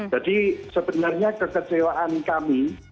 jadi sebenarnya kekecewaan kami